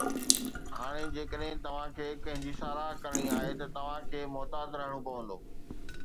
هاڻي جيڪڏهن توهان کي ڪنهن جي ساراهه ڪرڻي آهي، توهان کي محتاط رهڻو پوندو